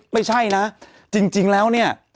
ไม่ใช่นะจริงแล้วเนี่ย